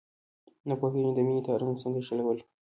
نه پوهېږم، د مینې تارونه څنګه شلول.